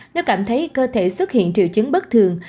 nó cảm thấy cơ thể xuất hiện triệu chứng bất thường